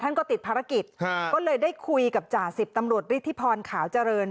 ก็ติดภารกิจก็เลยได้คุยกับจ่าสิบตำรวจฤทธิพรขาวเจริญ